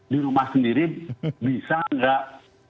di rumah sendiri bisa nggak